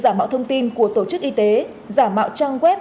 giả mạo thông tin của tổ chức y tế giả mạo trang web